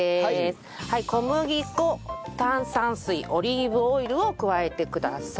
小麦粉炭酸水オリーブオイルを加えてください。